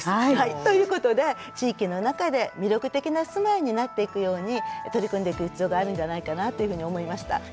ということで地域の中で魅力的な住まいになっていくように取り組んでいく必要があるんじゃないかなというふうに思いました。